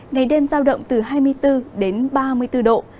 ngày đêm giao động từ hai mươi bốn đến ba mươi bốn độ